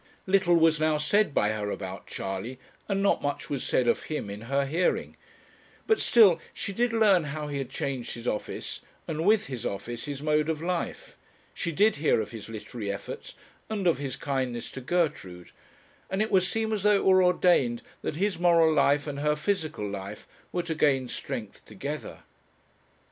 Little was now said by her about Charley, and not much was said of him in her hearing; but still she did learn how he had changed his office, and with his office his mode of life; she did hear of his literary efforts, and of his kindness to Gertrude, and it would seem as though it were ordained that his moral life and her physical life were to gain strength together.